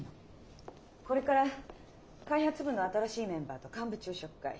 これから開発部の新しいメンバーと幹部昼食会。